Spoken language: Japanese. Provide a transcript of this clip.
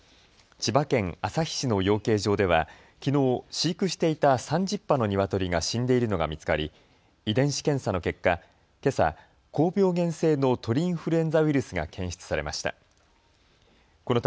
千葉県旭市の養鶏場ではきのう飼育していた３０羽のニワトリが死んでいるのが見つかり遺伝子検査の結果、けさ高病原性の鳥インフルエンザウイルスが検出されました。